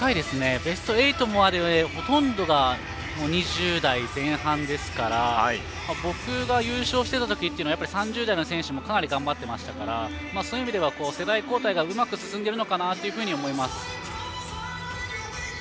ベスト８までほとんどが２０代前半ですから僕が優勝していた時というのは３０代の選手もかなり頑張ってましたからそういう意味では世代交代がうまく進んでいるのかなと思います。